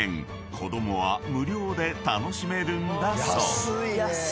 子供は無料で楽しめるんだそう］